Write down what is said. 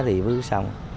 thì vứt xong